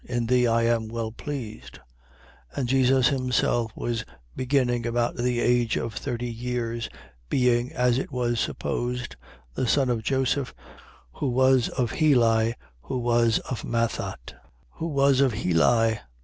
In thee I am well pleased. 3:23. And Jesus himself was beginning about the age of thirty years: being (as it was supposed) the son of Joseph, who was of Heli, who was of Mathat, Who was of Heli.